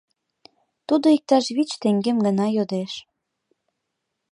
Тудо иктаж вич теҥгем гына йодеш.